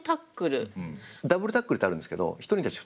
ダブルタックルってあるんですけど１人に対して２人。